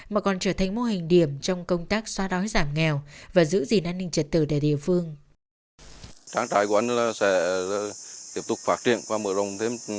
mà còn trở thành mô hình điểm trong công tác xóa đói giảm nghèo và giữ gìn an ninh trật tự tại địa phương